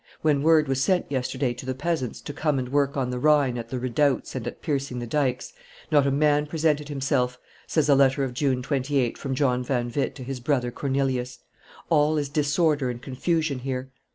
When word was sent yesterday to the peasants to come and work on the Rhine at the redoubts and at piercing the dikes, not a man presented himself," says a letter of June 28, from John van Witt to his brother Cornelius; "all is disorder and confusion here."